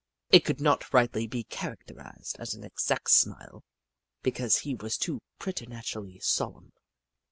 It could not rightly be characterised as an exact smile, because he was too preternaturally solemn.